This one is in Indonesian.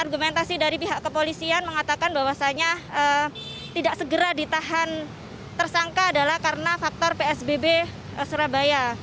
argumentasi dari pihak kepolisian mengatakan bahwasannya tidak segera ditahan tersangka adalah karena faktor psbb surabaya